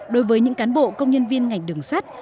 đối với những cán bộ công nhân viên ngành đường sắt